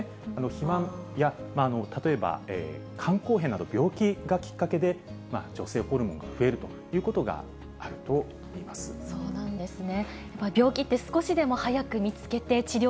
肥満や例えば肝硬変など、病気がきっかけで女性ホルモンが増えるということがあるといいまそうなんですね。